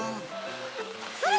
それ！